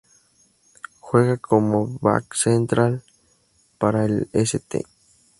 Juega como back central para el St.